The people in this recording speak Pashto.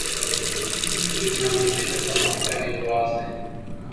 ټیکنالوژي د پرمختګ یو راز دی.